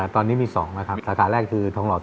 ตอนนี้มี๒นะครับสาขาแรกคือทองหลอด